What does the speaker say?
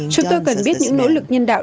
chúng tôi cần biết những nỗ lực nhân đạo